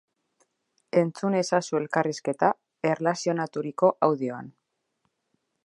Entzun ezazu elkarrizketa erlazionaturiko audioan.